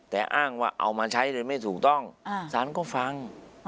แต่อ้างว่าเอามาใช้โดยไม่ถูกต้องสารก็ฟัง